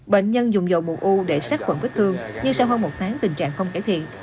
bệnh nhân dùng dầu mùn u để sát khuẩn vết thương nhưng sau hơn một tháng tình trạng không cải thiện